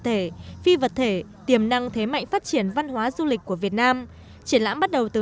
thể phi vật thể tiềm năng thế mạnh phát triển văn hóa du lịch của việt nam triển lãm bắt đầu từ